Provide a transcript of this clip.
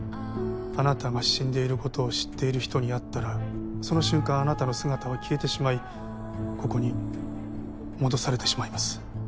あなたが死んでいることを知っている人に会ったらその瞬間あなたの姿は消えてしまいここに戻されてしまいます。